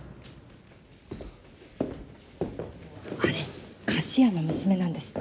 あれ菓子屋の娘なんですって？